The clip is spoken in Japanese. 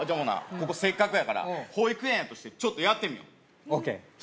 ここせっかくやから保育園やとしてちょっとやってみようＯＫ